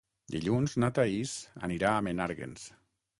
Dilluns na Thaís anirà a Menàrguens.